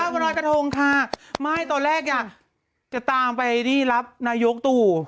มาให้ตอนแรกอะจะตามไปนี่รับนายกตุ